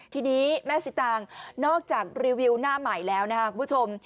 ทีนี้แม่สิตางนอกจากรีวิวหน้าใหม่แล้วนะครับคุณผู้ชม